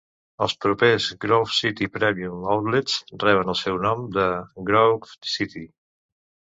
Els propers Grove City Premium Outlets reben el seu nom de Grove City.